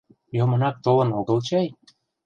Йомынак толын огыл чай?